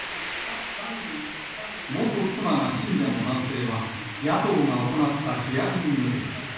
元妻が信者の男性は、野党が行ったヒアリングで。